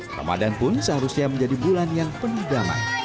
ramadan pun seharusnya menjadi bulan yang penuh damai